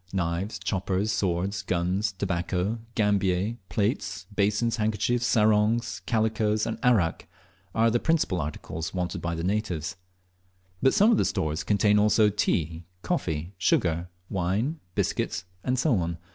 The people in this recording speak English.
Knives, choppers, swords, guns, tobacco, gambier, plates, basins, handkerchiefs, sarongs, calicoes, and arrack, are the principal articles wanted by the natives; but some of the stores contain also tea, coffee, sugar, wine, biscuits, &c.